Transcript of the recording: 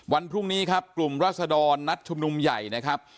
วันพรุ่งนี้ครับกลุ่มราศดรนัดชุมนุมใหญ่นะครับ